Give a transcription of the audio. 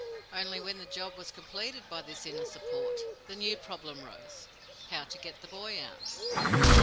Only when the job was completed by this inner support, the new problem rose: how to get the boy out?